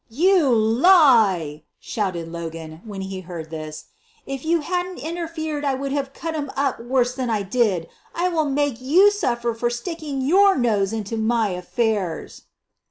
"You lie!" shouted Logan, when he heard this. 1 1 If you hadn 't interfered I would have cut him up worse than I did. I will make you suffer for stick ing your nose into my affairs."